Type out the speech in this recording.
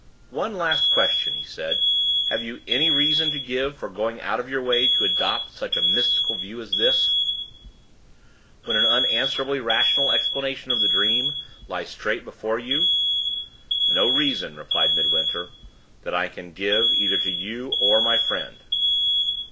"One last question," he said. "Have you any reason to give for going out of your way to adopt such a mystical view as this, when an unanswerably rational explanation of the dream lies straight before you?" "No reason," replied Midwinter, "that I can give, either to you or to my friend."